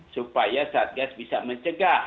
supaya satgas bisa mencegah